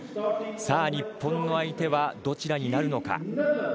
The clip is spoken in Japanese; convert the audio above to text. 日本の相手はどちらになるのか。